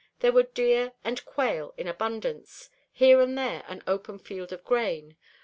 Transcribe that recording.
There were deer and quail in abundance, here and there an open field of grain.